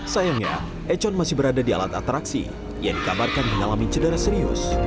sayangnya econ masih berada di alat atraksi yang dikabarkan mengalami cedera serius